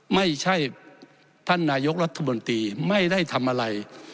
ไม่ใช่ท่านนายกรัฐมนตรีไม่ได้ทำอะไร